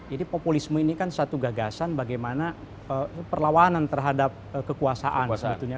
jadi populisme ini kan satu gagasan bagaimana perlawanan terhadap kekuasaan